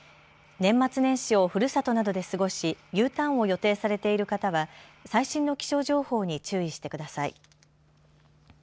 年末年始をふるさとなどで過ごしＵターンを予定されている方は最新の気象情報に注意してください。